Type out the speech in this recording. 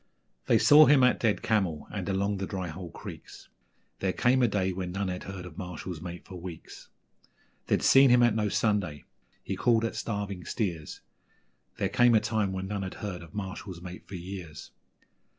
They saw him at Dead Camel and along the Dry Hole Creeks There came a day when none had heard of Marshall's mate for weeks; They'd seen him at No Sunday, he called at Starving Steers There came a time when none had heard of Marshall's mate for years.